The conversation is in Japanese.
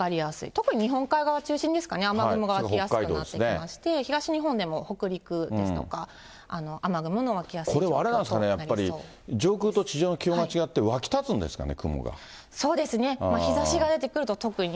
特に日本海側中心ですかね、雨雲が湧きやすくなっていまして、東日本でも北陸ですとか、雨雲のこれあれなんですかね、やっぱり上空と地上の気温が違って、そうですね、日ざしが出てくると特に。